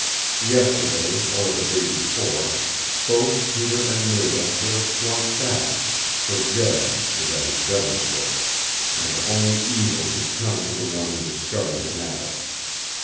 Yesterday, or the day before, both Peter and Nada would have slunk back, for Jed was at his devil's work, and only evil could come to the one who discovered him at it.